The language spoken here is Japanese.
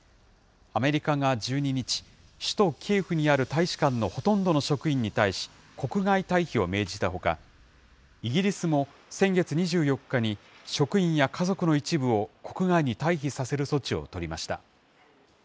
アメリカが１２日、首都キエフにある大使館のほとんどの職員に対し、国外退避を命じたほか、イギリスも先月２４日に、職員や家族の一部を国外に退避させる措置を取りました。